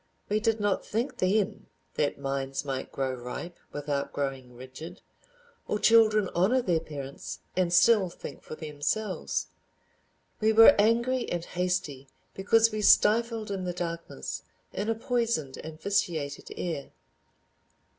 We did not think then that minds might grow ripe without growing rigid, or children honor their parents and still think for themselves. We were angry and hasty because we stifled in the darkness, in a poisoned and vitiated air.